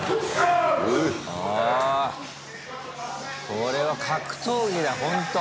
これは格闘技だほんと。